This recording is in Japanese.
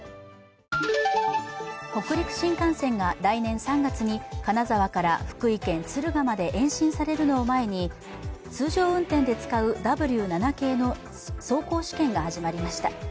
北陸新幹線が来年３月に、金沢から福井県敦賀まで延伸されるのを前に、通常運転で使うＷ７系の走行試験が始まりました。